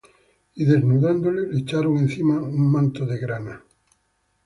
Y desnudándole, le echaron encima un manto de grana;